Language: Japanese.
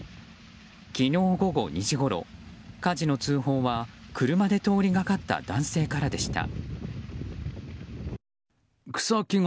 昨日午後２時ごろ火事の通報は車で通りがかった男性からでした。